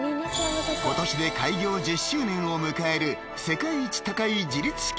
今年で開業１０周年を迎える世界一高い自立式